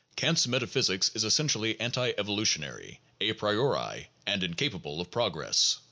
Kant 's metaphysic is essentially anti evolutionary, a priori, and incapable of progress.